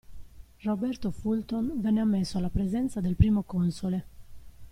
Roberto Fulton venne ammesso alla presenza del Primo Console.